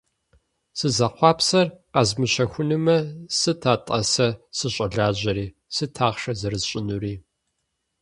Сызэхъуапсэр къэзмыщэхунумэ, сыт, атӏэ, сэ сыщӏэлажьэри, сыт ахъшэ зэрысщӏынури?